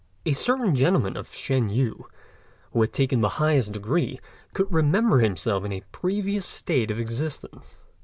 A certain gentleman of Shên yu, who had taken the highest degree, could remember himself in a previous state of existence.